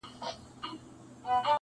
هم پلرونه هم مو وړونه هم خپلوان دي,